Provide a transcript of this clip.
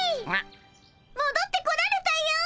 もどってこられたよ！